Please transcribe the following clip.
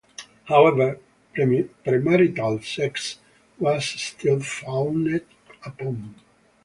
However, premarital sex was still frowned upon.